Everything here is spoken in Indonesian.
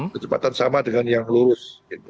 kecepatan sama dengan yang lurus